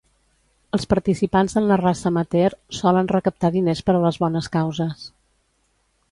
Els participants en la raça amateur solen recaptar diners per a les bones causes.